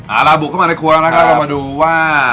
เอาล่ะบุกเข้ามาในครัวแล้วนะครับเรามาดูว่า